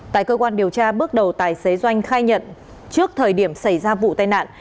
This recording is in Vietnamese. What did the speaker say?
tại cơ quan điều tra bước đầu tài xế doanh khai nhận trước thời điểm xảy ra vụ tai nạn